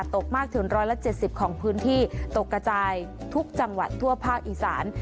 ตกมากถึงร้อยละเจ็ดสิบของพื้นที่ตกกระจายทุกจังหวัดทั่วภาคอีสาน